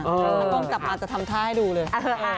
กล้องจับมาจะทำท่าให้ดูเลย